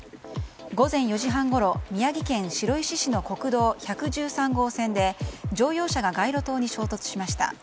午前４時半ごろ宮城県白石市の国道１１３号線で乗用車が街路灯に衝突しました。